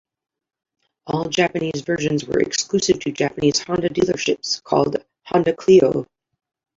All Japanese versions were exclusive to Japanese Honda dealerships called Honda Clio.